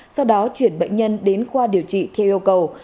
sau đó chuyển bệnh nhân đến khoa điều trị theo yêu cầu